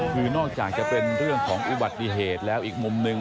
คือนอกจากจะเป็นเรื่องของอุบัติเหตุแล้วอีกมุมหนึ่ง